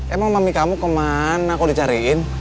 emang mami kamu kemisten